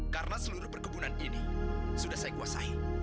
karena seluruh perkebunan ini sudah saya kuasai